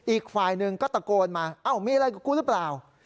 อีกฝ่ายหนึ่งก็ตะโกนมาเอ้ามีอะไรกับกูหรือเปล่า